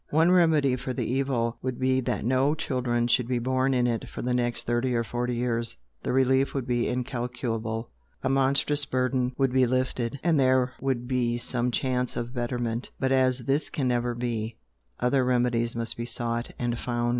One remedy for the evil would be that no children should be born in it for the next thirty or forty years the relief would be incalculable, a monstrous burden would be lifted, and there would be some chance of betterment, but as this can never be, other remedies must be sought and found.